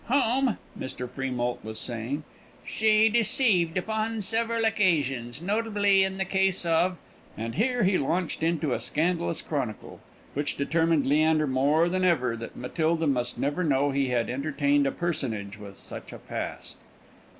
"Whom," Mr. Freemoult was saying, "she deceived upon several occasions, notably in the case of " And here he launched into a scandalous chronicle, which determined Leander more than ever that Matilda must never know he had entertained a personage with such a past.